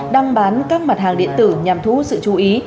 đang bán các mặt hàng điện tử nhằm thu hút sự chú ý